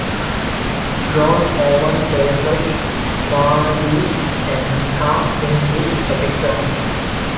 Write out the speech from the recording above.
John Owen praises Farnaby's Seneca in his 'Epigrams.